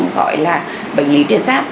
gọi là bệnh lý tuyến giáp